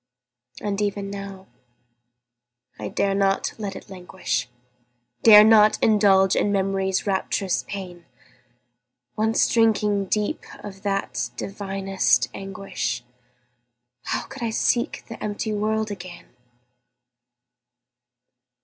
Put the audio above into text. And even now, I dare not let it languish, Dare not indulge in Memory's rapturous pain; Once drinking deep of that divinest anguish, How could I seek the empty world again?